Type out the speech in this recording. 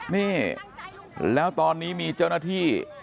นี่แล้วตอนนี้มีเจ้าหน้าที่